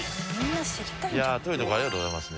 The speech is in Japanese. いや遠いとこありがとうございますね。